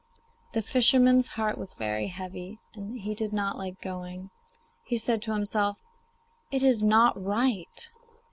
The fisherman's heart was very heavy, and he did not like going. He said to himself, 'It is not right.